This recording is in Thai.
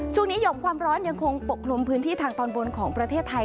หย่อมความร้อนยังคงปกคลุมพื้นที่ทางตอนบนของประเทศไทย